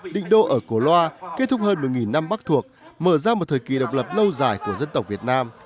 định đô ở cổ loa kết thúc hơn một năm bắc thuộc mở ra một thời kỳ độc lập lâu dài của dân tộc việt nam